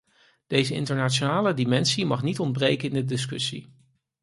Deze internationale dimensie mag niet ontbreken in de discussie.